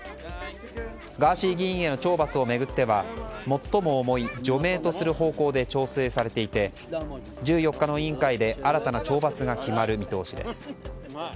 ガーシー議員への懲罰を巡っては最も重い除名とする方向で調整されていて１４日の委員会で新たな懲罰が決まる見通しです。